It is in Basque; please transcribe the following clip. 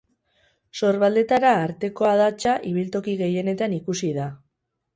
Sorbaldetara arteko adatsa ibiltoki gehienetan ikusi da.